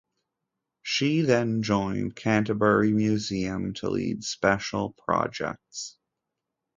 She then joined Canterbury Museum to lead special projects.